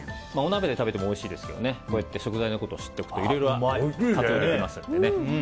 お鍋で食べてもおいしいですけどこうやって食材のことを知っておくといろいろできますのでね。